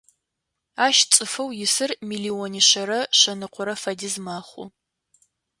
Ащ цӏыфэу исыр миллиони шъэрэ шъэныкъорэ фэдиз мэхъу.